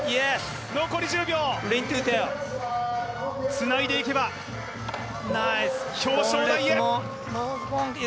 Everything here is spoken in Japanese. つないでいけば表彰台へ。